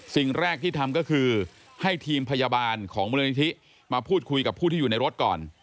สิ่งแรกที่ทำก็คือให้ทีมพยาบาลของมูลนิธิมาพูดคุยกับผู้ที่อยู่ในรถก่อน